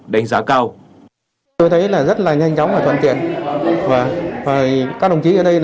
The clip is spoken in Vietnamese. đánh giá cao